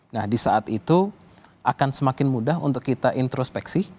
nah di saat itu akan semakin mudah untuk kita introspeksi